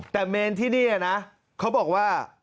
แต่เมนที่นี่นะเขาบอกว่า